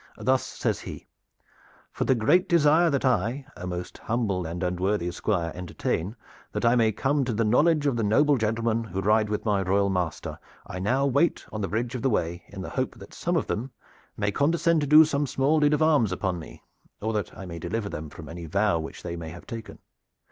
Thus says he: 'For the great desire that I, a most humble and unworthy Squire, entertain, that I may come to the knowledge of the noble gentlemen who ride with my royal master, I now wait on the Bridge of the Way in the hope that some of them may condescend to do some small deed of arms upon me, or that I may deliver them from any vow which they may have taken.